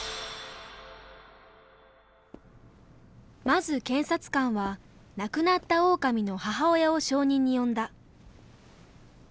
まず検察官は亡くなったオオカミの母親を証人に呼んだ。